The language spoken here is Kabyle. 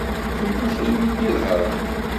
Yella kra i yi-d-iḍehren.